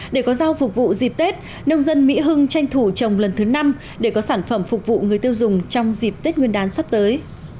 để có rau phục vụ dịp tết nông dân mỹ hưng tranh thủ trồng lần thứ năm để có sản phẩm phục vụ người tiêu dùng trong dịp tết nguyên đán sắp tới